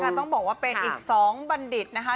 ต้องบอกว่าเป็นอีก๒บัณฑิตนะคะ